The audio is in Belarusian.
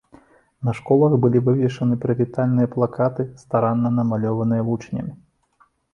На школах былі вывешаны прывітальныя плакаты, старанна намалёваныя вучнямі.